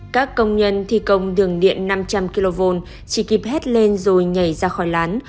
các công nhân thi công đường điện năm trăm linh kv chỉ kịp hét lên rồi nhảy ra khỏi lán